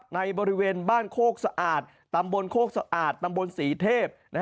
บริเวณบ้านโคกสะอาดตำบลโคกสะอาดตำบลศรีเทพ